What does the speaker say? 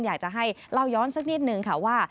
อยากจะให้เล่าย้อนสักนิดนึงค่ะว่า